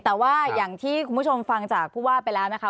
แต่ว่าอย่างที่คุณผู้ชมฟังจากผู้ว่าไปแล้วนะคะ